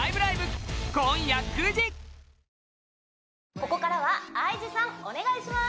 ここからはＩＧさんお願いします！